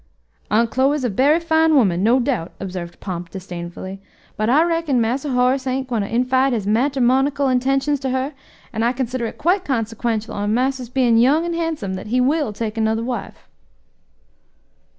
"Aunt Chloe's a berry fine woman, no doubt," observed Pomp disdainfully, "but I reckon Marse Horace ain't gwine to infide his matermonical intentions to her; and I consider it quite consequential on Marster's being young and handsome that he will take another wife."